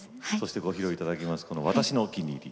ご披露いただくのは「私のお気に入り」